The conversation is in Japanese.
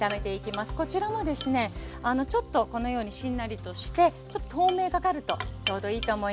こちらはですねちょっとこのようにしんなりとしてちょっと透明がかるとちょうどいいと思います。